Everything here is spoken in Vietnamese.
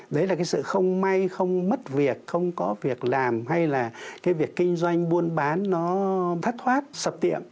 đấy là cái sự không may không mất việc không có việc làm hay là cái việc kinh doanh buôn bán nó thất thoát sập tiệm